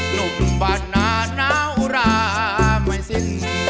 หนุ่มบ้านนานาวราไม่สิ้น